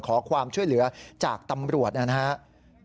ขอความช่วยเหลือจากตำรวจนะครับ